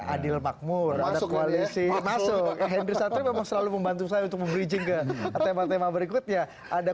adil makmur masuk masuk henry satri selalu membantu saya untuk memberi jengkel tema tema berikutnya ada